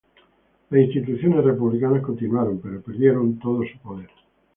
Las instituciones republicanas continuaron, pero perdieron todo su poder.